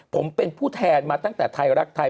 ผมเป็นผู้แทนมาตั้งแต่ไทยรักไทย